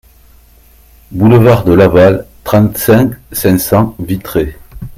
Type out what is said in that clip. Boulevard de Laval, trente-cinq, cinq cents Vitré